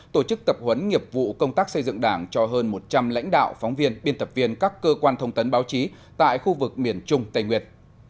tổ chức tập huấn nghiệp vụ công tác xây dựng đảng cho hơn một trăm linh lãnh đạo phóng viên biên tập viên các cơ quan thông tấn báo chí tại khu vực miền trung tây nguyệt